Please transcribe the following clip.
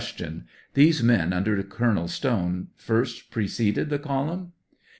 These men under Colonel Stone first preceded the column? A.